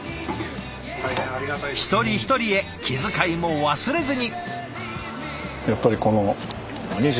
一人一人へ気遣いも忘れずに。